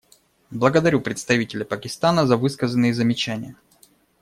Благодарю представителя Пакистана на высказанные замечания.